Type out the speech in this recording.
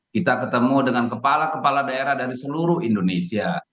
kita ketemu dengan kepala kepala daerah dari seluruh indonesia